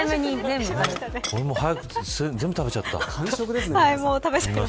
俺も早く全部食べちゃった。